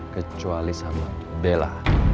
kecuali sama bella